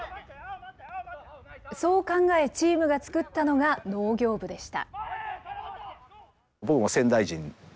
そう考え、チームが作ったのが農業部でした。